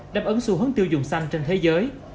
đáp ứng xu hướng tiêu dùng xanh trên thế giới